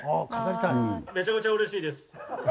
めちゃめちゃ嬉しいです。